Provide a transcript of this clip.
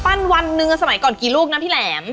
ปั้นวันเนื้อสมัยก่อนกี่ลูกนะพี่แหลม